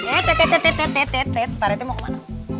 eh teh teh teh teh teh teh teh pak rete mau ke mana